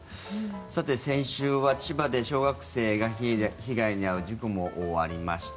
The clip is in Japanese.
さて、先週は小学生が被害に遭う事故もありました。